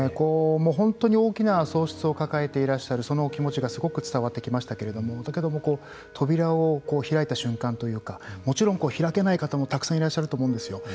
本当に大きな喪失を抱えていらっしゃるそのお気持ちがすごく伝わってきましたけれどもだけども扉を開いた瞬間というかもちろん開けない方もたくさんいらっしゃると思うんですよ。